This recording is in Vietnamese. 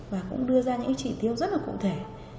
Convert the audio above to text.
và cũng đưa ra những chỉ tiêu rất là cụ thể